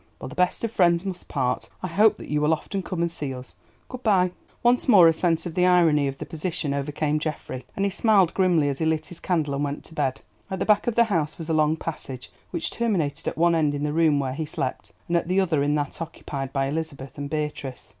Well, the best of friends must part. I hope that you will often come and see us. Good bye." Once more a sense of the irony of the position overcame Geoffrey, and he smiled grimly as he lit his candle and went to bed. At the back of the house was a long passage, which terminated at one end in the room where he slept, and at the other in that occupied by Elizabeth and Beatrice.